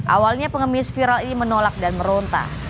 awalnya pengemis viral ini menolak dan meronta